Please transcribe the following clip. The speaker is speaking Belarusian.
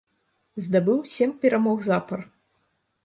Здабыў сем перамог запар.